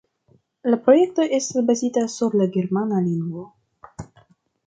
La projekto estas bazita sur la germana lingvo.